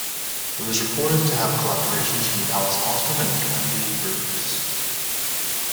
It was reported to have collaborations from Dallas Austin and Kandi Burruss.